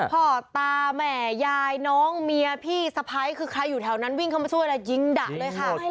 พ่อตาแม่ยายน้องเมียพี่สะพ้ายคือใครอยู่แถวนั้นวิ่งเข้ามาช่วยแล้วยิงดะเลยค่ะ